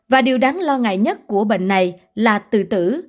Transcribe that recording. và điều đáng lo ngại nhất của bệnh này là từ tử